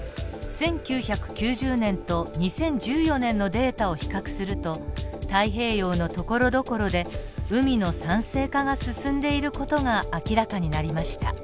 １９９０年と２０１４年のデータを比較すると太平洋のところどころで海の酸性化が進んでいる事が明らかになりました。